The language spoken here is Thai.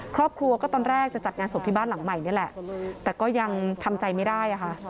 ครอบครัวก็ตอนแรกจะจัดงานศพที่บ้านหลังใหม่นี่แหละแต่ก็ยังทำใจไม่ได้อะค่ะ